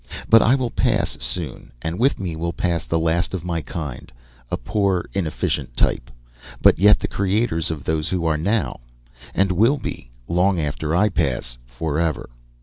But I will pass soon, and with me will pass the last of my kind, a poor inefficient type, but yet the creators of those who are now, and will be, long after I pass forever.